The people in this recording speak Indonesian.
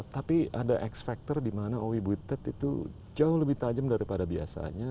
tapi ada x factor dimana owi butet itu jauh lebih tajam daripada biasanya